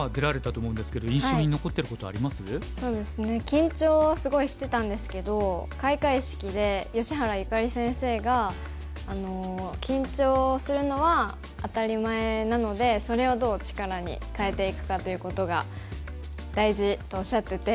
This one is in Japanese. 緊張はすごいしてたんですけど開会式で吉原由香里先生が「緊張するのは当たり前なのでそれをどう力に変えていくかということが大事」とおっしゃってて。